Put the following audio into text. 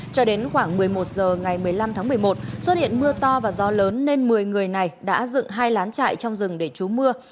cho đến khoảng một mươi một giờ ngày một mươi năm tháng một mươi một xuất hiện mưa to và gió lớn nên một mươi người này đã dựng hai lán trại trong rừng để trú mưa